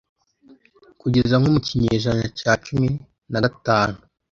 Kugeza nko mu kinyejana cya cumi nagatanu